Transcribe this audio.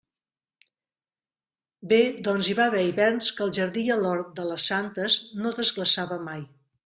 Bé, doncs hi va haver hiverns que al jardí i a l'hort de «les santes» no desglaçava mai.